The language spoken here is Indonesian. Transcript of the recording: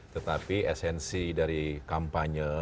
tetapi esensi dari kampanye